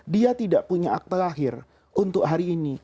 dia tidak punya akte lahir untuk hari ini